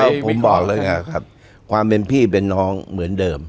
ก็ผมบอกแล้วไงครับความเป็นพี่เป็นน้องเหมือนเดิม